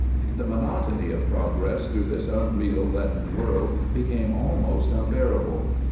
The monotony of progress through this unreal, leaden world became almost unbearable.